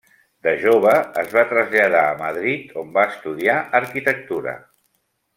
De jove es va traslladar a Madrid, on va estudiar arquitectura.